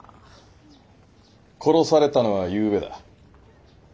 殺されたのはゆうべだ。